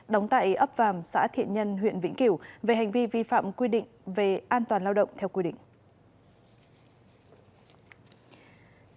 đóng tại ấp vàm xã thiện nhân huyện vĩnh kiểu về hành vi vi phạm quy định về an toàn lao động theo quy định